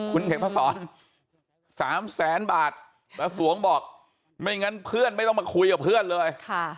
คุณเฉพสอนสามแสนบาทละศวงบอกไม่งั้นพ่ออย่างนั้นไม่ต้องมาคุยกับพ่อเอาเลย